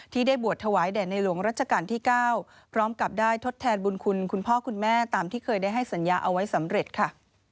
ที่ได้บวชถวายแด่ในหลวงรัชกาลที่๙พร้อมกับได้ทดแทนบุญคุณคุณพ่อคุณแม่ตามที่เคยได้ให้สัญญาเอาไว้สำเร็จค่ะ